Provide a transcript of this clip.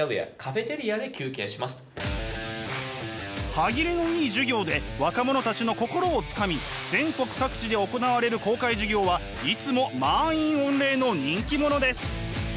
歯切れのいい授業で若者たちの心をつかみ全国各地で行われる公開授業はいつも満員御礼の人気者です。